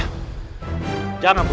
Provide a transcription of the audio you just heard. terima kasih ayah